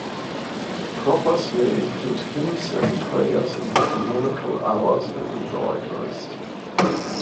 Propers may include hymns and prayers in the canonical hours and in the Eucharist.